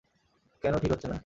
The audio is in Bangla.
কেন ঠিক হচ্ছে না?